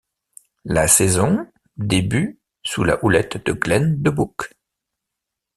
La saison début sous la houlette de Glen De Boeck.